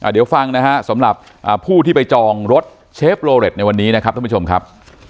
เดี๋ยวฟังนะฮะสำหรับผู้ที่ไปจองรถเชฟโลเล็ตในวันนี้นะครับท่านผู้ชมครับ